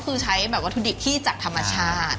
กะทิถือใช้วัตดิ์ที่จากธรรมชาติ